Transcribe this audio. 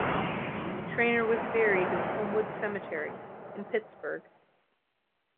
Traynor was buried in Homewood Cemetery in Pittsburgh.